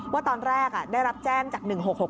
ว่าตอนแรกได้รับแจ้งจาก๑๖๖